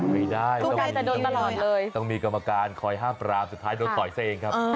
ไม่ได้ต้องมีกรรมการคอยห้ามปราบสุดท้ายโดนต่อยเองครับ